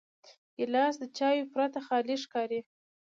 ګیلاس د چایو پرته خالي ښکاري.